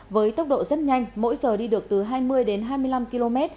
với tốc độ rất nhanh mỗi giờ đi được từ hai mươi đến hai mươi năm km